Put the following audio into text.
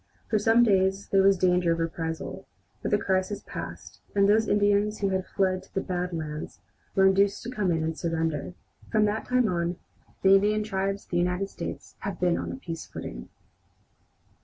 For some days there was danger of a reprisal, but the crisis passed, and those Indians who had fled to the "Bad Lands" were induced to come in and surrender. From that time on the Indian tribes of the United States have been on a peace footing.